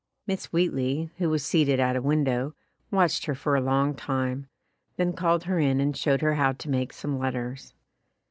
Miss Wheatley, who was seated at a window, watched her for a long time, then called her in and showed her how to make some letters.